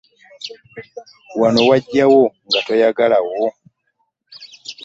Wano wagyawo nga toyagalawo.